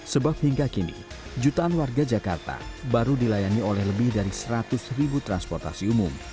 sebab hingga kini jutaan warga jakarta baru dilayani oleh lebih dari seratus ribu transportasi umum